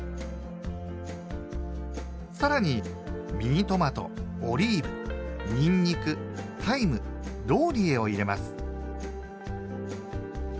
さらにミニトマトオリーブにんにくタイムローリエを入れます。